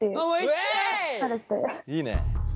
いいね。